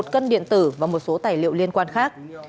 một cân điện tử và một số tài liệu liên quan khác